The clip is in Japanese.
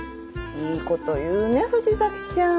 いいこと言うね藤崎ちゃん。